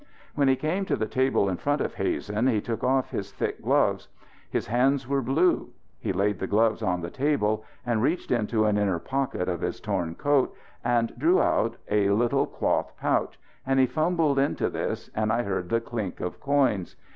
When he came to the table in front of Hazen he took off his thick gloves. His hands were blue. He laid the gloves on the table and reached into an inner pocket of his torn coat and drew out a little cloth pouch and he fumbled into this and I heard the clink of coins.